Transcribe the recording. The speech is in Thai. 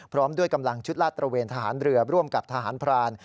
พร้อมด้วยกำลังชุดลาดตระเวนทหารเรือร่วมกับทหารพราน